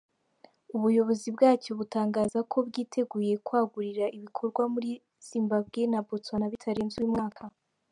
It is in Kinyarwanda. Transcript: Ubuyobozi bwacyo butangaza ko bwiteguye kwagurira ibikorwa muri Zimbabwe na Botswana bitarenze uyu mwaka.